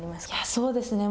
そうですね。